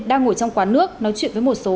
đang ngồi trong quán nước nói chuyện với một số